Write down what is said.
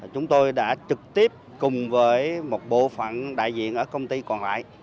chúng tôi đã trực tiếp cùng với một bộ phận đại diện ở công ty còn lại